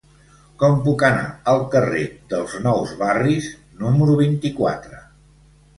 Com puc anar al carrer dels Nou Barris número vint-i-quatre?